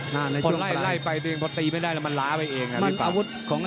เขาไล่ไปตีได้แล้วมันล้าไปเอง